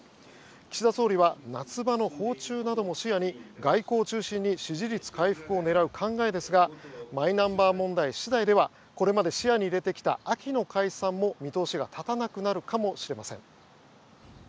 岸田総理は夏場の訪中なども視野に外交中心に支持率回復を狙う考えですがマイナンバー問題次第ではこれまで視野に入れてきた秋の解散も見通しが立たなくなるかもしれません。